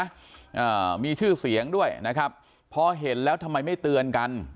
อ่ามีชื่อเสียงด้วยนะครับพอเห็นแล้วทำไมไม่เตือนกัน